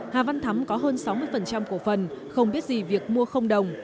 hà văn thắm có hơn sáu mươi cổ phần không biết gì việc mua không đồng